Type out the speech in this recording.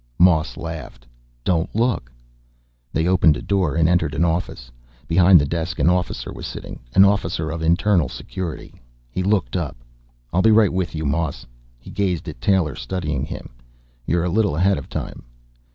Moss laughed. "Don't look." They opened a door and entered an office. Behind the desk, an officer was sitting, an officer of Internal Security. He looked up. "I'll be right with you, Moss." He gazed at Taylor studying him. "You're a little ahead of time."